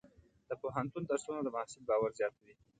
د پوهنتون درسونه د محصل باور زیاتوي.